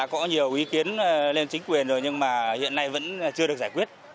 có nhiều ý kiến lên chính quyền rồi nhưng mà hiện nay vẫn chưa được giải quyết